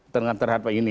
dengan terhadap ini